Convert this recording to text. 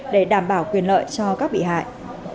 để đảm bảo quyền lợi cho các bị hại